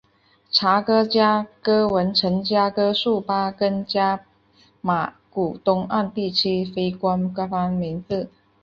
查哥加哥文程加哥术巴根加马古东岸地区的非官方名字。